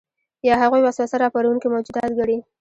یا هغوی وسوسه راپاروونکي موجودات ګڼي.